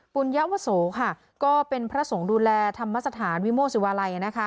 ปุญญวโสค่ะก็เป็นพระสงฆ์ดูแลธรรมสถานวิโมสิวาลัยนะคะ